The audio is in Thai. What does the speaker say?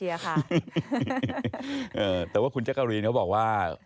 เออแต่ว่าคุณเจ้ก่อนจริงเขาบอกว่า